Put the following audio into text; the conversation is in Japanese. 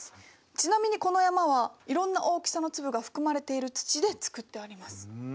ちなみにこの山はいろんな大きさの粒が含まれている土で作ってあります。